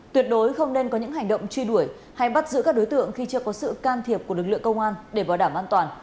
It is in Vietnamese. tuyệt đối không nên có những hành động truy đuổi hay bắt giữ các đối tượng khi chưa có sự can thiệp của lực lượng công an để bảo đảm an toàn